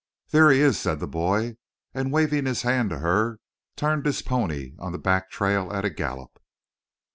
"There he is," said the boy, and waving his hand to her, turned his pony on the back trail at a gallop.